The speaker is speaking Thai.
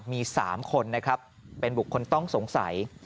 มี๓คนนะครับเป็นบุคคลต้องสงสัย